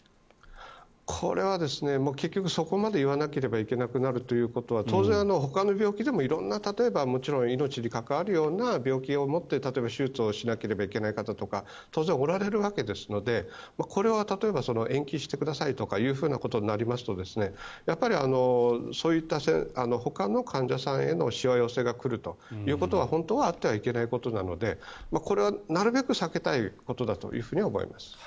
これは結局そこまで言わなければいけなくなるということは当然、ほかの病気でも例えば命に関わるような病気を持って手術をしなければいけない方とか当然、おられるわけですのでこれは例えば延期してくださいということになるとそういったほかの患者さんへのしわ寄せが来るということは本当はあってはいけないことなのでこれはなるべく避けたいことだと思います。